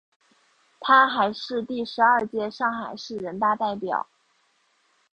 她还是第十二届上海市人大代表。